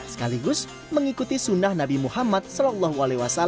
sekaligus mengikuti sunnah nabi muhammad saw